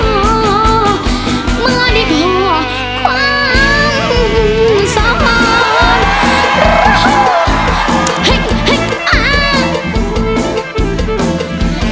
เมื่อได้กลัวความสะบาด